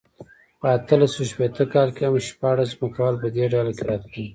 په اتلس سوه شپېته کال کې هم شپاړس ځمکوال په دې ډله کې راتلل.